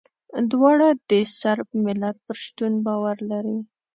دواړه د صرب ملت پر شتون باور لري.